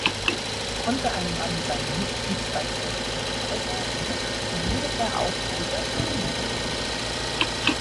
Konnte ein Mann seine Mitgliedsbeiträge wieder aufbringen, so wurde er auch wieder Vollbürger.